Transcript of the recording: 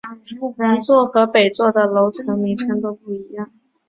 南座和北座的楼层名称都不一样。